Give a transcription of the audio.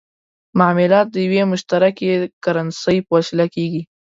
معاملات د یوې مشترکې کرنسۍ په وسیله کېږي.